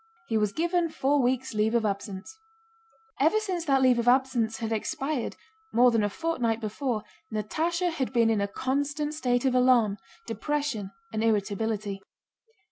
He was given four weeks' leave of absence. Ever since that leave of absence had expired, more than a fortnight before, Natásha had been in a constant state of alarm, depression, and irritability.